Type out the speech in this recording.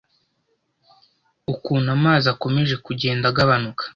ukuntu amazi akomeje kugenda agabanuka,